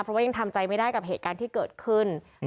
เพราะว่ายังทำใจไม่ได้กับเหตุการณ์ที่เกิดขึ้น